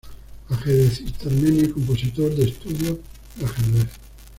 Ajedrecista armenio y compositor de estudios de ajedrez.